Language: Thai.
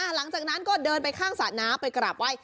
หลังจากนั้นก็เดินไปข้างสานาไปกลับวัน